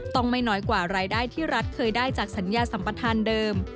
ไม่น้อยกว่ารายได้ที่รัฐเคยได้จากสัญญาสัมปทานเดิม